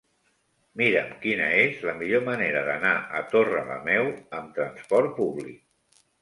Mira'm quina és la millor manera d'anar a Torrelameu amb trasport públic.